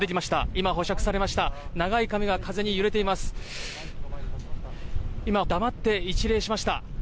今、黙って一礼しました。